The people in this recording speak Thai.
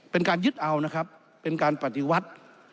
เป็นการยึดเอานะครับเป็นการปฏิวัติ